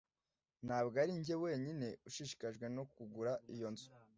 Ntabwo arinjye wenyine ushishikajwe no kugura iyo nzu.